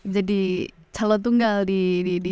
jadi calon tunggal di